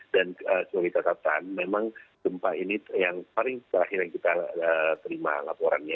dan sebagian catatan memang gempa ini yang paling terakhir yang kita terima laporannya